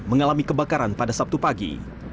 mengalami kebakaran pada sabtu pagi